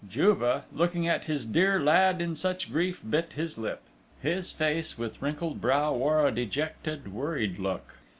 Juve, looking at his dear lad in such grief, bit his lip; his face with wrinkled brow wore a dejected, worried look.